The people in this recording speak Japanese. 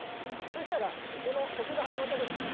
そしたらこの曲が始まった時に。